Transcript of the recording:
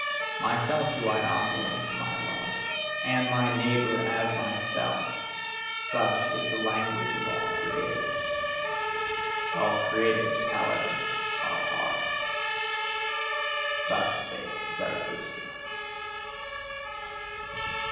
"Myself do I offer unto my love, AND MY NEIGHBOUR AS MYSELF" such is the language of all creators. All creators, however, are hard. Thus spake Zarathustra.